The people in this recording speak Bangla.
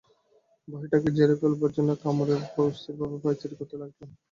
ভয়টাকে ঝেড়ে ফেলবার জন্যে কামরার ভেতর অস্থিরভাবে পায়চারি করতে লাগলাম।